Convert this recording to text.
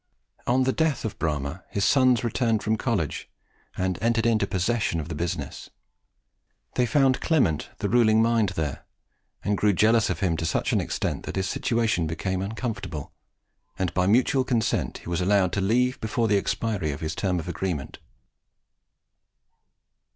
On the death of Bramah, his sons returned from college and entered into possession of the business. They found Clement the ruling mind there and grew jealous of him to such an extent that his situation became uncomfortable; and by mutual consent he was allowed to leave before the expiry of his term of agreement.